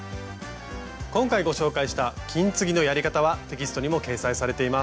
今回ご紹介した金継ぎのやり方はテキストにも掲載されています。